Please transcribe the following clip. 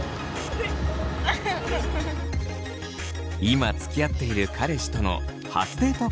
今つきあっている彼氏との初デート